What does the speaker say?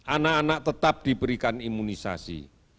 anak anak tetap diberikan imunisasi